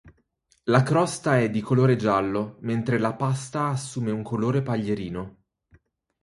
La crosta è di colore giallo, mentre la pasta assume un colore paglierino.